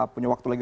punya waktu lagi